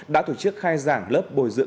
đã tổ chức khai giảng lớp bồi dưỡng